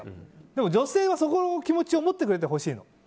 でも女性はその気持ちを持ってほしいの。